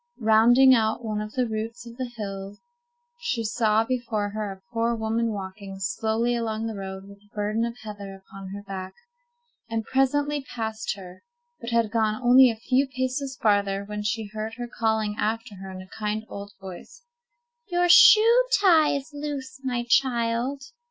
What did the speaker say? Rounding one of the roots of the hill she saw before her a poor woman walking slowly along the road with a burden of heather upon her back, and presently passed her, but had gone only a few paces farther when she heard her calling after her in a kind old voice— "Your shoe tie is loose, my child."